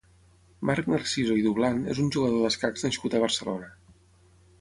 Marc Narciso i Dublan és un jugador d'escacs nascut a Barcelona.